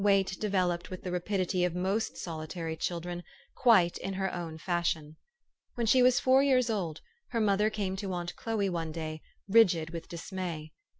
Wait developed with the rapidity of most solitary children, quite in her own fashion. When she was four years old, her mother came to aunt Chloe one day, rigid with dismay.